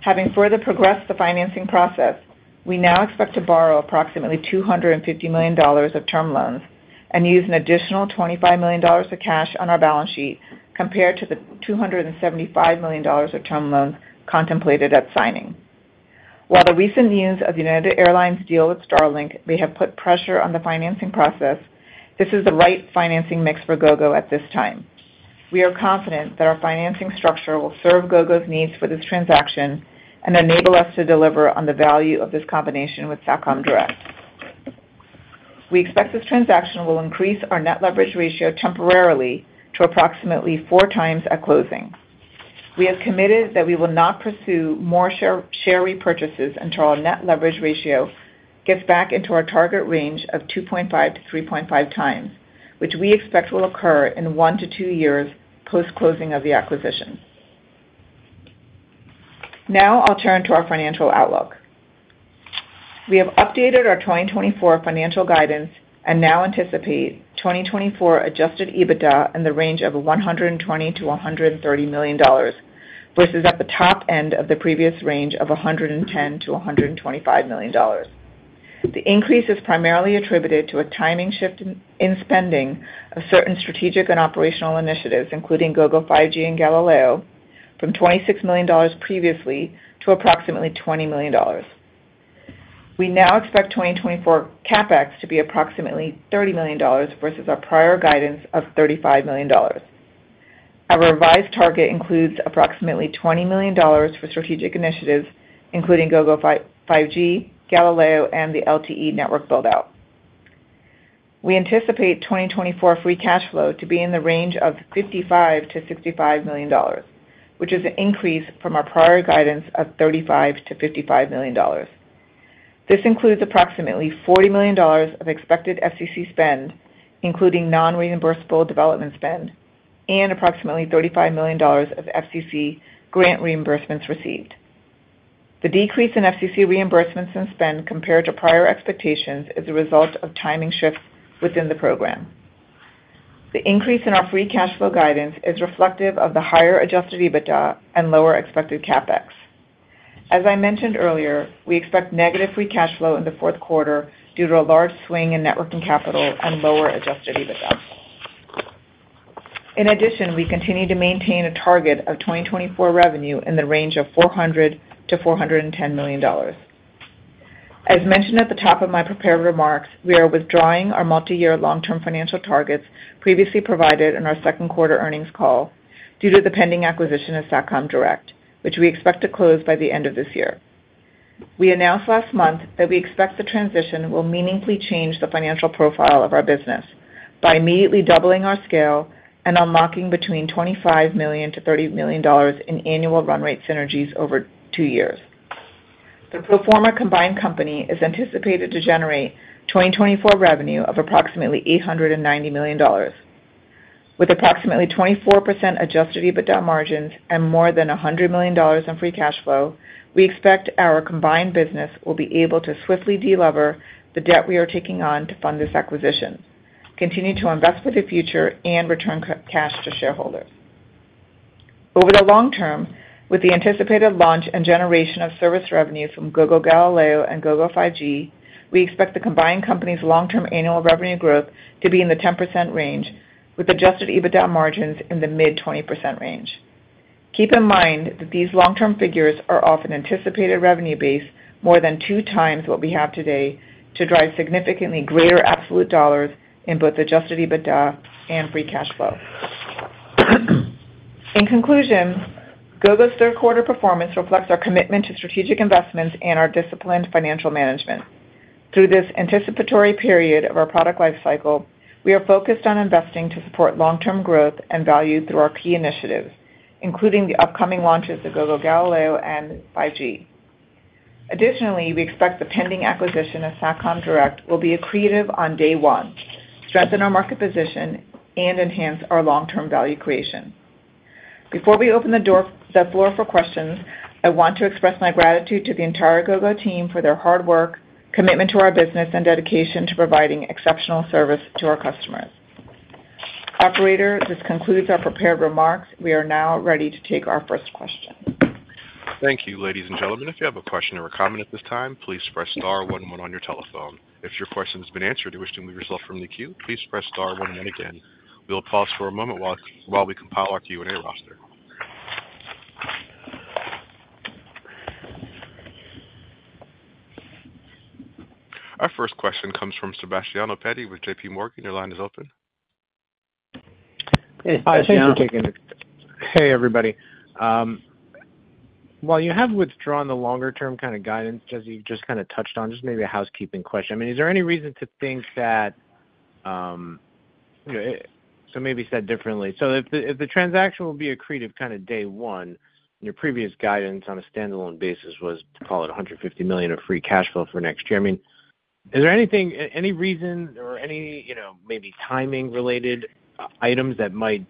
Having further progressed the financing process, we now expect to borrow approximately $250 million of term loans and use an additional $25 million of cash on our balance sheet compared to the $275 million of term loans contemplated at signing. While the recent news of United Airlines' deal with Starlink may have put pressure on the financing process, this is the right financing mix for Gogo at this time. We are confident that our financing structure will serve Gogo's needs for this transaction and enable us to deliver on the value of this combination with Satcom Direct. We expect this transaction will increase our net leverage ratio temporarily to approximately four times at closing. We have committed that we will not pursue more share repurchases until our Net Leverage Ratio gets back into our target range of 2.5-3.5 times, which we expect will occur in one to two years post-closing of the acquisition. Now I'll turn to our financial outlook. We have updated our 2024 financial guidance and now anticipate 2024 Adjusted EBITDA in the range of $120-$130 million versus at the top end of the previous range of $110-$125 million. The increase is primarily attributed to a timing shift in spending of certain strategic and operational initiatives, including Gogo 5G and Galileo, from $26 million previously to approximately $20 million. We now expect 2024 CapEx to be approximately $30 million versus our prior guidance of $35 million. Our revised target includes approximately $20 million for strategic initiatives, including Gogo 5G, Galileo, and the LTE network buildout. We anticipate 2024 free cash flow to be in the range of $55-$65 million, which is an increase from our prior guidance of $35-$55 million. This includes approximately $40 million of expected FCC spend, including non-reimbursable development spend, and approximately $35 million of FCC grant reimbursements received. The decrease in FCC reimbursements and spend compared to prior expectations is a result of timing shifts within the program. The increase in our free cash flow guidance is reflective of the higher adjusted EBITDA and lower expected CapEx . As I mentioned earlier, we expect negative free cash flow in the fourth quarter due to a large swing in networking capital and lower adjusted EBITDA. In addition, we continue to maintain a target of 2024 revenue in the range of $400-$410 million. As mentioned at the top of my prepared remarks, we are withdrawing our multi-year long-term financial targets previously provided in our second quarter earnings call due to the pending acquisition of Satcom Direct, which we expect to close by the end of this year. We announced last month that we expect the transition will meaningfully change the financial profile of our business by immediately doubling our scale and unlocking between $25 million to $30 million in annual run rate synergies over two years. The pro forma Combined Company is anticipated to generate 2024 revenue of approximately $890 million. With approximately 24% Adjusted EBITDA margins and more than $100 million in free cash flow, we expect our combined business will be able to swiftly delever the debt we are taking on to fund this acquisition, continue to invest for the future, and return cash to shareholders. Over the long term, with the anticipated launch and generation of service revenue from Gogo Galileo and Gogo 5G, we expect the combined company's long-term annual revenue growth to be in the 10% range, with adjusted EBITDA margins in the mid-20% range. Keep in mind that these long-term figures are often anticipated revenue-based more than two times what we have today to drive significantly greater absolute dollars in both adjusted EBITDA and free cash flow. In conclusion, Gogo's third quarter performance reflects our commitment to strategic investments and our disciplined financial management. Through this anticipatory period of our product life cycle, we are focused on investing to support long-term growth and value through our key initiatives, including the upcoming launches of Gogo Galileo and 5G. Additionally, we expect the pending acquisition of Satcom Direct will be accretive on day one, strengthen our market position, and enhance our long-term value creation. Before we open the floor for questions, I want to express my gratitude to the entire Gogo team for their hard work, commitment to our business, and dedication to providing exceptional service to our customers. Operator, this concludes our prepared remarks. We are now ready to take our first question. Thank you, ladies and gentlemen. If you have a question or a comment at this time, please press star one one on your telephone. If your question has been answered or you wish to move yourself from the queue, please press star one one again. We'll pause for a moment while we compile our Q&A roster. Our first question comes from Sebastiano Petti with JPMorgan. Your line is open. Hey, Sebastiano. Hey, everybody. While you have withdrawn the longer-term kind of guidance, as you've just kind of touched on, just maybe a housekeeping question. I mean, is there any reason to think that, so maybe said differently, so if the transaction will be an accretive kind of day one, and your previous guidance on a standalone basis was to call it $150 million of free cash flow for next year, I mean, is there any reason or any maybe timing-related items that might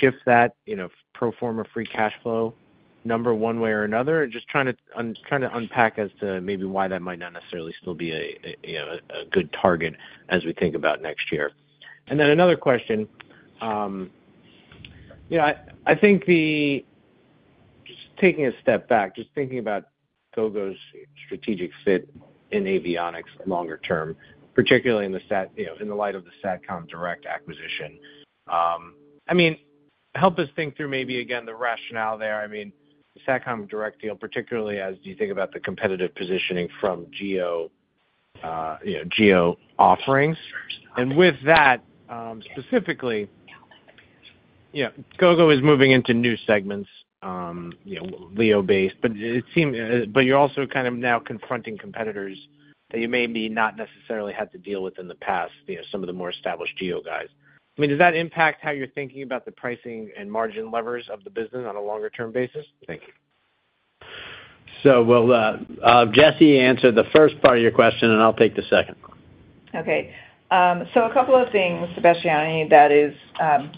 shift that pro forma free cash flow number one way or another? Just trying to unpack as to maybe why that might not necessarily still be a good target as we think about next year. And then another question. I think the, just taking a step back, just thinking about Gogo's strategic fit in avionics longer term, particularly in the light of the Satcom Direct acquisition. I mean, help us think through maybe again the rationale there. I mean, the Satcom Direct deal, particularly as you think about the competitive positioning from Geo offerings. And with that, specifically, Gogo is moving into new segments, LEO based, but you're also kind of now confronting competitors that you maybe not necessarily had to deal with in the past, some of the more established Geo guys. I mean, does that impact how you're thinking about the pricing and margin levers of the business on a longer-term basis? Thank you. So well, Jessi will answer the first part of your question, and I'll take the second. Okay. So a couple of things, Sebastiano, that is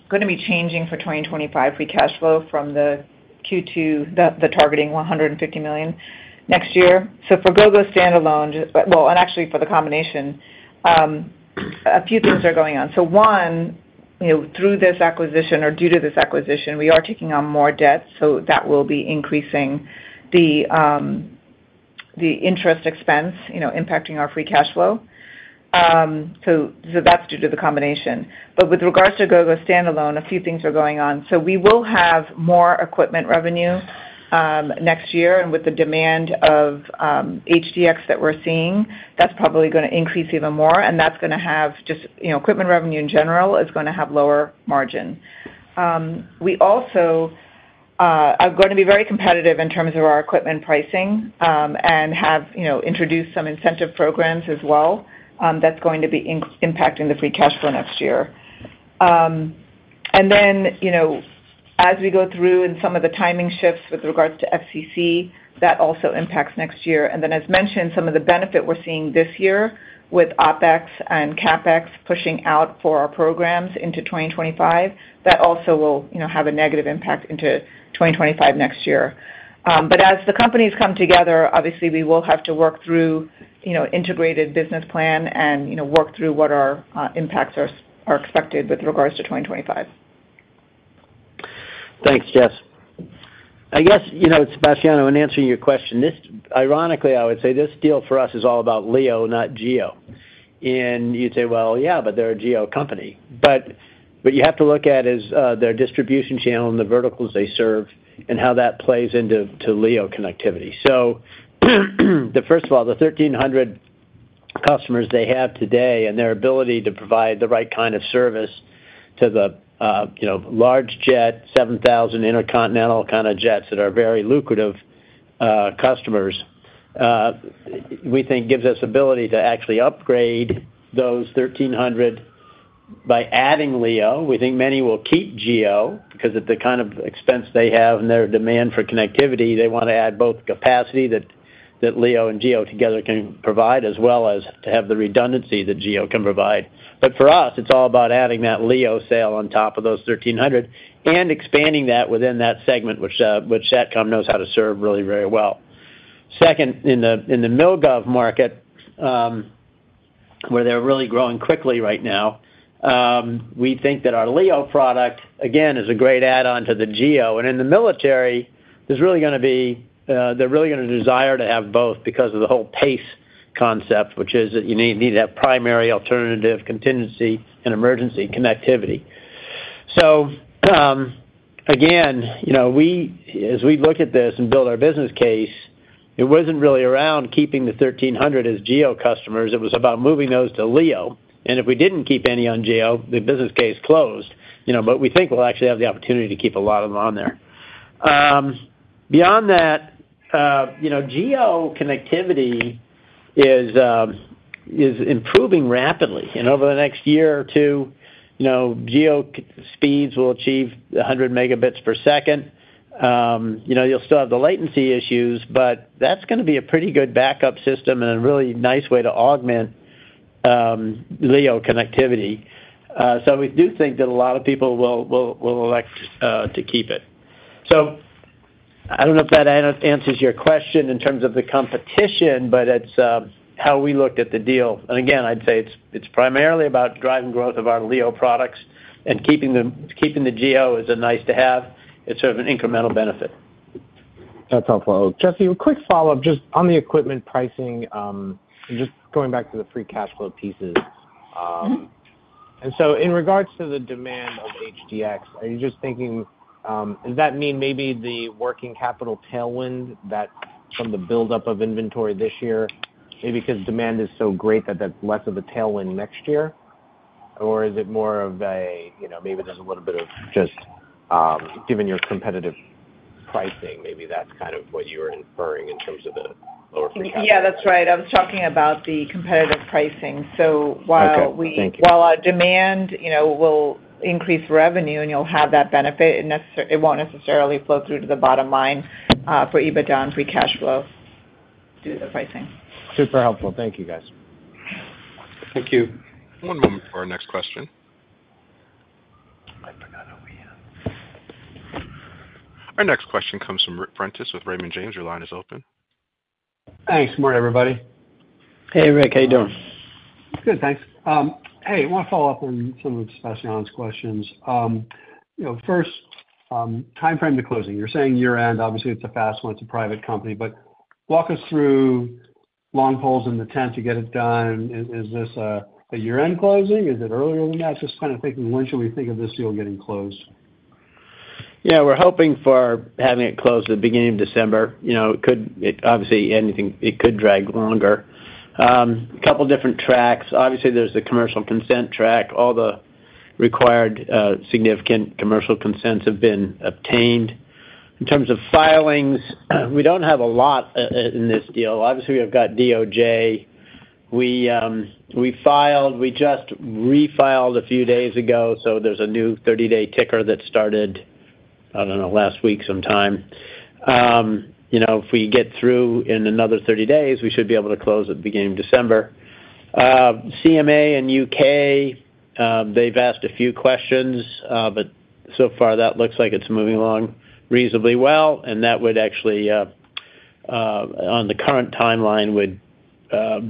going to be changing for 2025 free cash flow from the Q2, the targeting $150 million next year. So for Gogo standalone, well, and actually for the combination, a few things are going on. So one, through this acquisition or due to this acquisition, we are taking on more debt, so that will be increasing the interest expense, impacting our free cash flow. So that's due to the combination. But with regards to Gogo standalone, a few things are going on. So we will have more equipment revenue next year, and with the demand of HDX that we're seeing, that's probably going to increase even more, and that's going to have just equipment revenue in general is going to have lower margin. We also are going to be very competitive in terms of our equipment pricing and have introduced some incentive programs as well. That's going to be impacting the free cash flow next year. And then as we go through and some of the timing shifts with regards to FCC, that also impacts next year. And then, as mentioned, some of the benefit we're seeing this year with OpEx and CapEx pushing out for our programs into 2025, that also will have a negative impact into 2025 next year. But as the companies come together, obviously, we will have to work through an integrated business plan and work through what our impacts are expected with regards to 2025. Thanks, Jess. I guess, Sebastiano, in answering your question, ironically, I would say this deal for us is all about LEO, not Geo. And you'd say, "Well, yeah, but they're a Geo company." But what you have to look at is their distribution channel and the verticals they serve and how that plays into LEO connectivity. So first of all, the 1,300 customers they have today and their ability to provide the right kind of service to the large jet, 7,000 intercontinental kind of jets that are very lucrative customers, we think gives us the ability to actually upgrade those 1,300 by adding LEO. We think many will keep GEO because of the kind of expense they have and their demand for connectivity. They want to add both capacity that LEO and GEO together can provide as well as to have the redundancy that GEO can provide. But for us, it's all about adding that LEO sale on top of those 1,300 and expanding that within that segment, which Satcom knows how to serve really very well. Second, in the Mil/Gov market, where they're really growing quickly right now, we think that our LEO product, again, is a great add-on to the GEO. In the military, there's really going to be. They're really going to desire to have both because of the whole PACE concept, which is that you need to have primary, alternative, contingency, and emergency connectivity. So again, as we look at this and build our business case, it wasn't really around keeping the 1,300 as GEO customers. It was about moving those to LEO. And if we didn't keep any on GEO, the business case closed. But we think we'll actually have the opportunity to keep a lot of them on there. Beyond that, GEO connectivity is improving rapidly. And over the next year or two, GEO speeds will achieve 100 megabits per second. You'll still have the latency issues, but that's going to be a pretty good backup system and a really nice way to augment LEO connectivity. So we do think that a lot of people will elect to keep it. So I don't know if that answers your question in terms of the competition, but it's how we looked at the deal. And again, I'd say it's primarily about driving growth of our LEO products and keeping the GEO is a nice-to-have. It's sort of an incremental benefit. That's helpful. Jessi, a quick follow-up just on the equipment pricing, just going back to the free cash flow pieces. And so in regards to the demand of HDX, are you just thinking, does that mean maybe the working capital tailwind from the buildup of inventory this year, maybe because demand is so great that that's less of a tailwind next year? Or is it more of a maybe there's a little bit of just given your competitive pricing, maybe that's kind of what you were inferring in terms of the lower free cash flow? Yeah, that's right. I was talking about the competitive pricing. So while our demand will increase revenue and you'll have that benefit, it won't necessarily flow through to the bottom line for EBITDA and free cash flow due to the pricing. Super helpful. Thank you, guys. Thank you. One moment for our next question. I forgot who we had. Our next question comes from Ric Prentiss with Raymond James. Your line is open. Thanks. Morning, everybody. Hey, Ric. How you doing? Good, thanks. Hey, I want to follow up on some of Sebastiano's questions. First, timeframe to closing. You're saying year-end. Obviously, it's a fast one. It's a private company. But walk us through long poles in the tent to get it done. Is this a year-end closing? Is it earlier than that? Just kind of thinking, when should we think of this deal getting closed? Yeah, we're hoping for having it closed at the beginning of December. Obviously, it could drag longer. A couple of different tracks. Obviously, there's the commercial consent track. All the required significant commercial consents have been obtained. In terms of filings, we don't have a lot in this deal. Obviously, we've got DOJ. We filed. We just refiled a few days ago. So there's a new 30-day ticker that started, I don't know, last week sometime. If we get through in another 30 days, we should be able to close at the beginning of December. CMA and U.K., they've asked a few questions, but so far that looks like it's moving along reasonably well. That would actually, on the current timeline,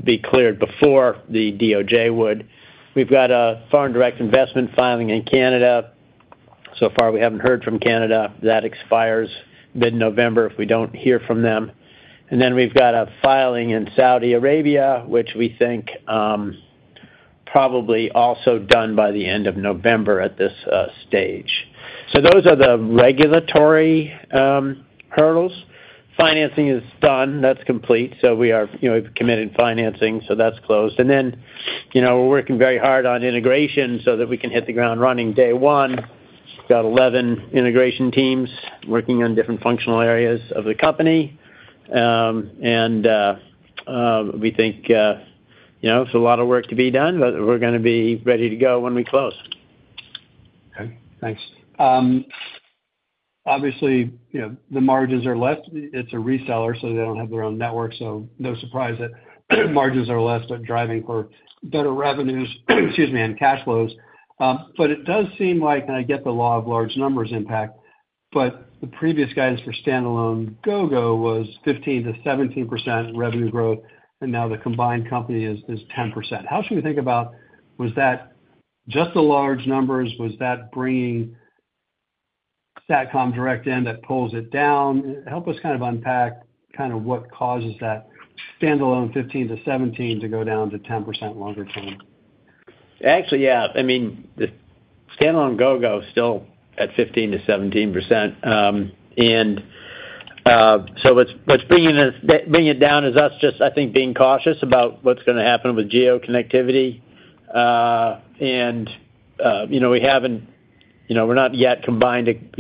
be cleared before the DOJ would. We've got a foreign direct investment filing in Canada. So far, we haven't heard from Canada. That expires mid-November if we don't hear from them. And then we've got a filing in Saudi Arabia, which we think probably also done by the end of November at this stage. So those are the regulatory hurdles. Financing is done. That's complete. So we are committed financing. So that's closed. And then we're working very hard on integration so that we can hit the ground running day one. We've got 11 integration teams working on different functional areas of the company. And we think there's a lot of work to be done, but we're going to be ready to go when we close. Okay. Thanks. Obviously, the margins are left. It's a reseller, so they don't have their own network. So no surprise that margins are left but driving for better revenues and cash flows. But it does seem like, and I get the law of large numbers impact, but the previous guidance for standalone Gogo was 15%-17% revenue growth, and now the combined company is 10%. How should we think about, was that just the large numbers? Was that bringing Satcom Direct in that pulls it down? Help us kind of unpack kind of what causes that standalone 15%-17% to go down to 10% longer term. Actually, yeah. I mean, standalone Gogo is still at 15%-17%. And so what's bringing it down is us just, I think, being cautious about what's going to happen with GEO connectivity. We haven't—we're not yet a combined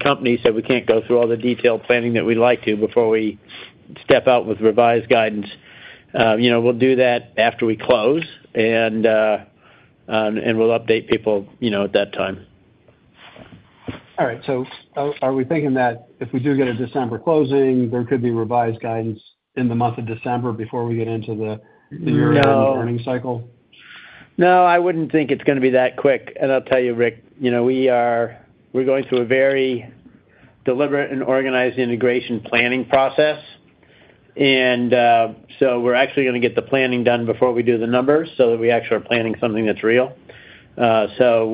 company, so we can't go through all the detailed planning that we'd like to before we step out with revised guidance. We'll do that after we close, and we'll update people at that time. All right. So are we thinking that if we do get a December closing, there could be revised guidance in the month of December before we get into the year-end earnings cycle? No, I wouldn't think it's going to be that quick. And I'll tell you, Ric, we're going through a very deliberate and organized integration planning process. And so we're actually going to get the planning done before we do the numbers so that we actually are planning something that's real. So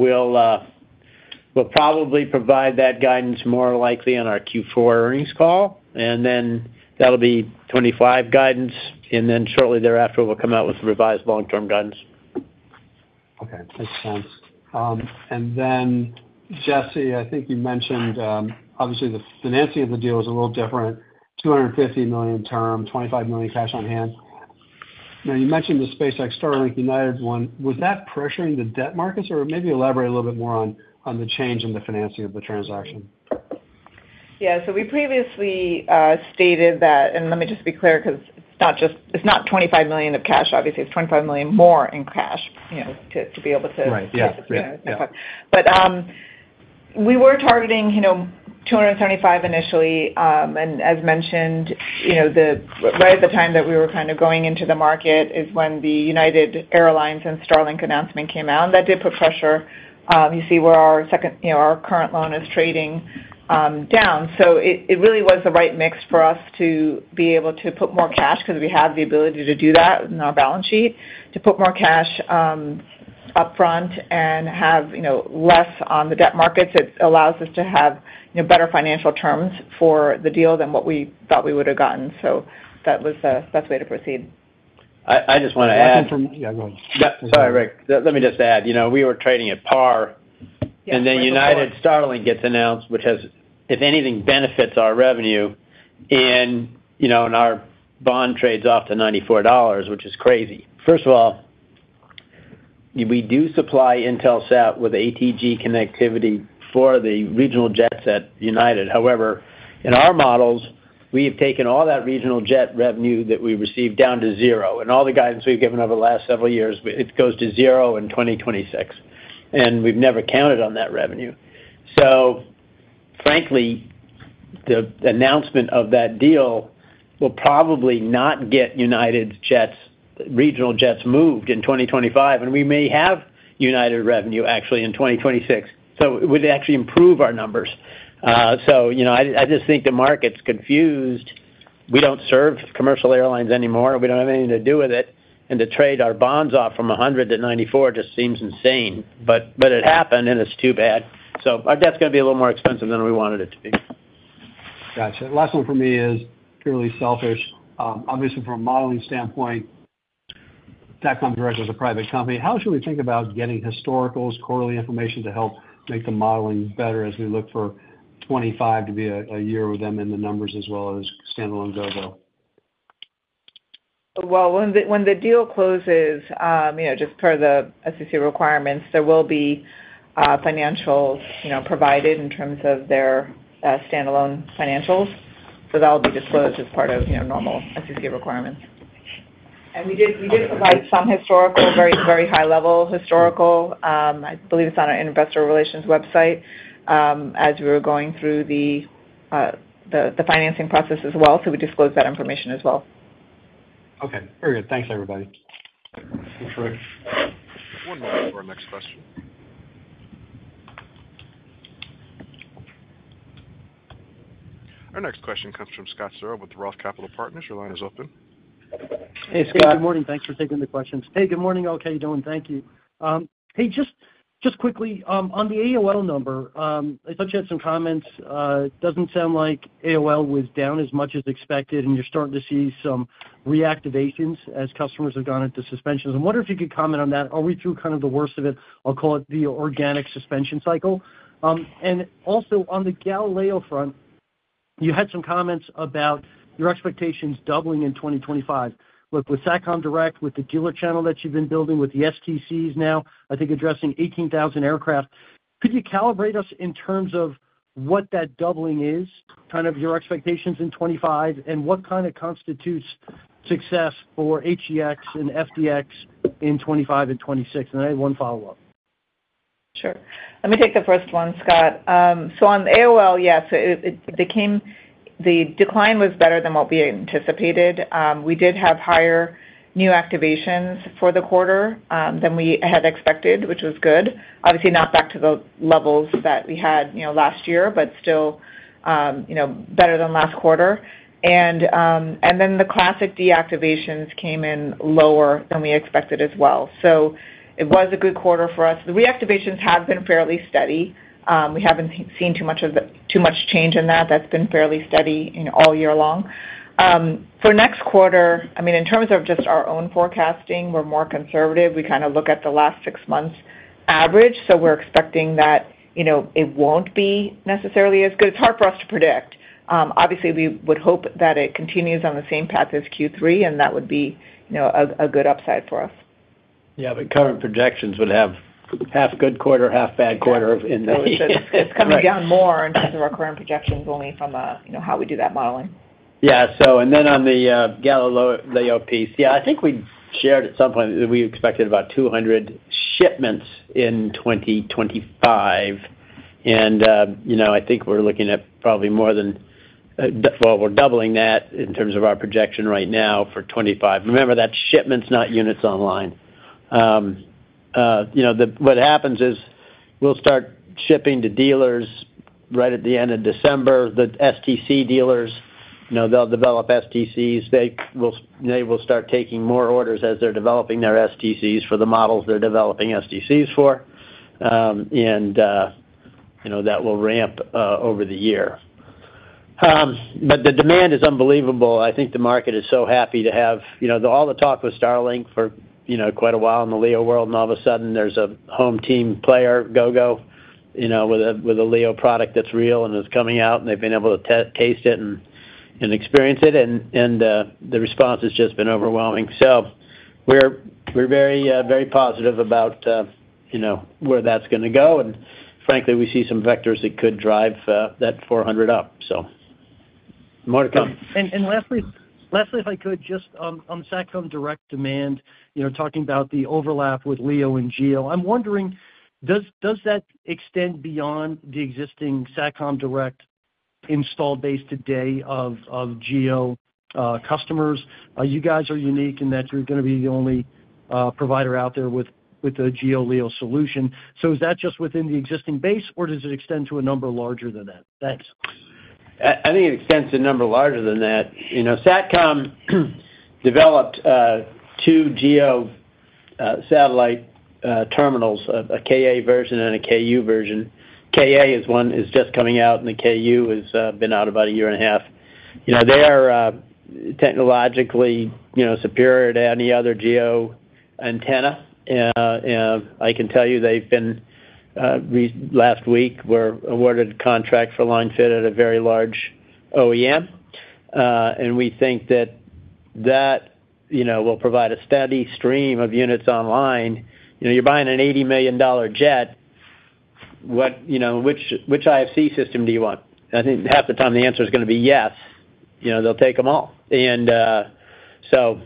we'll probably provide that guidance more likely on our Q4 earnings call. And then that'll be 2025 guidance. And then shortly thereafter, we'll come out with revised long-term guidance. Okay. Makes sense. And then, Jessi, I think you mentioned, obviously, the financing of the deal is a little different: $250 million term, $25 million cash on hand. Now, you mentioned the SpaceX Starlink United one. Was that pressuring the debt markets? Or maybe elaborate a little bit more on the change in the financing of the transaction. Yeah. So we previously stated that, and let me just be clear because it's not $25 million of cash. Obviously, it's $25 million more in cash to be able to. Right. Yeah. But we were targeting $275 million initially. And as mentioned, right at the time that we were kind of going into the market is when the United Airlines and Starlink announcement came out. And that did put pressure. You see where our current loan is trading down. So it really was the right mix for us to be able to put more cash because we have the ability to do that in our balance sheet, to put more cash upfront and have less on the debt markets. It allows us to have better financial terms for the deal than what we thought we would have gotten. So that was the best way to proceed. I just want to add. Yeah, go ahead. Sorry, Rick. Let me just add, we were trading at par. And then United Starlink gets announced, which has, if anything, benefits our revenue. And our bond trades off to $94, which is crazy. First of all, we do supply Intelsat with ATG connectivity for the regional jets at United. However, in our models, we have taken all that regional jet revenue that we received down to zero. And all the guidance we've given over the last several years, it goes to zero in 2026. And we've never counted on that revenue. So frankly, the announcement of that deal will probably not get United's regional jets moved in 2025. And we may have United revenue actually in 2026. So it would actually improve our numbers. So I just think the market's confused. We don't serve commercial airlines anymore. We don't have anything to do with it. And to trade our bonds off from 100 to 94 just seems insane. But it happened, and it's too bad. So our debt's going to be a little more expensive than we wanted it to be. Gotcha. Last one for me is purely selfish. Obviously, from a modeling standpoint, Satcom Direct is a private company. How should we think about getting historicals, quarterly information to help make the modeling better as we look for 2025 to be a year with them in the numbers as well as standalone Gogo? Well, when the deal closes, just per the SEC requirements, there will be financials provided in terms of their standalone financials. So that will be disclosed as part of normal SEC requirements. And we did provide some historical, very high-level historical. I believe it's on our investor relations website as we were going through the financing process as well. So we disclosed that information as well. Okay. Very good. Thanks, everybody. Thanks, Ric. One moment for our next question. Our next question comes from Scott Searle with Roth Capital Partners. Your line is open. Hey, Scott. Hey, good morning. Thanks for taking the questions. Hey, good morning. How are you doing? Thank you. Hey, just quickly, on the ARPU number, I thought you had some comments. It doesn't sound like ARPU was down as much as expected, and you're starting to see some reactivations as customers have gone into suspensions. I wonder if you could comment on that. Are we through kind of the worst of it? I'll call it the organic suspension cycle. And also, on the Galileo front, you had some comments about your expectations doubling in 2025. Look, with Satcom Direct, with the dealer channel that you've been building, with the STCs now, I think addressing 18,000 aircraft. Could you calibrate us in terms of what that doubling is, kind of your expectations in 2025, and what kind of constitutes success for HDX and FDX in 2025 and 2026? And I have one follow-up. Sure. Let me take the first one, Scott. So overall, yes, the decline was better than what we anticipated. We did have higher new activations for the quarter than we had expected, which was good. Obviously, not back to the levels that we had last year, but still better than last quarter. And then the classic deactivations came in lower than we expected as well. So it was a good quarter for us. The reactivations have been fairly steady. We haven't seen too much change in that. That's been fairly steady all year long. For next quarter, I mean, in terms of just our own forecasting, we're more conservative. We kind of look at the last six months' average. So we're expecting that it won't be necessarily as good. It's hard for us to predict. Obviously, we would hope that it continues on the same path as Q3, and that would be a good upside for us. Yeah, but current projections would have half good quarter, half bad quarter in those. It's coming down more in terms of our current projections only from how we do that modeling. Yeah. And then on the Galileo piece, yeah, I think we shared at some point that we expected about 200 shipments in 2025. And I think we're looking at probably more than, well, we're doubling that in terms of our projection right now for 2025. Remember, that's shipments, not units online. What happens is we'll start shipping to dealers right at the end of December. The STC dealers, they'll develop STCs. They will start taking more orders as they're developing their STCs for the models they're developing STCs for. And that will ramp over the year. But the demand is unbelievable. I think the market is so happy to have all the talk with Starlink for quite a while in the LEO world. And all of a sudden, there's a home team player, Gogo, with a LEO product that's real and is coming out. And they've been able to taste it and experience it. And the response has just been overwhelming. So we're very positive about where that's going to go. And frankly, we see some vectors that could drive that 400 up. So more to come. And lastly, if I could, just on Satcom Direct demand, talking about the overlap with LEO and GEO, I'm wondering, does that extend beyond the existing Satcom Direct installed base today of GEO customers? You guys are unique in that you're going to be the only provider out there with a GEO LEO solution. So is that just within the existing base, or does it extend to a number larger than that? Thanks. I think it extends to a number larger than that. Satcom developed two GEO satellite terminals, a Ka version and a Ku version. Ka is just coming out, and the Ku has been out about a year and a half. They are technologically superior to any other GEO antenna. I can tell you they've been. Last week, we're awarded a contract for linefit at a very large OEM. And we think that that will provide a steady stream of units online. You're buying an $80 million jet. Which IFC system do you want? I think half the time the answer is going to be yes. They'll take them all. And so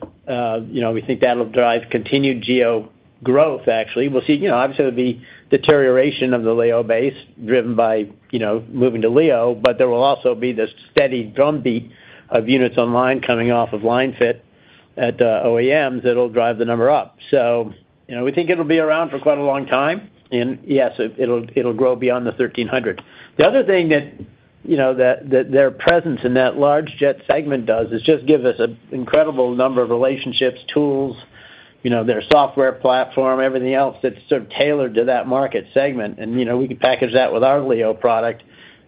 we think that'll drive continued GEO growth, actually. We'll see. Obviously, there'll be deterioration of the LEO base driven by moving to LEO. But there will also be this steady drumbeat of units online coming off of Linefit at OEMs that'll drive the number up. So we think it'll be around for quite a long time. And yes, it'll grow beyond the 1,300. The other thing that their presence in that large jet segment does is just give us an incredible number of relationships, tools, their software platform, everything else that's sort of tailored to that market segment. And we can package that with our LEO product,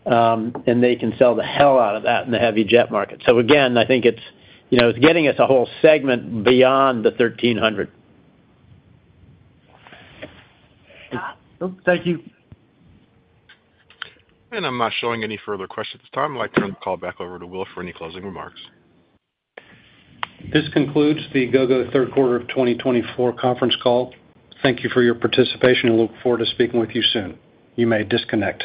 and they can sell the hell out of that in the heavy jet market. So again, I think it's getting us a whole segment beyond the 1,300. Thank you. And I'm not showing any further questions at this time. I'd like to turn the call back over to Will for any closing remarks. This concludes the Gogo third quarter of 2024 conference call. Thank you for your participation, and look forward to speaking with you soon. You may disconnect.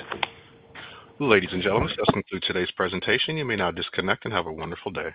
Ladies and gentlemen, this concludes today's presentation. You may now disconnect and have a wonderful day.